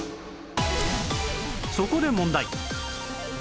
そこで問題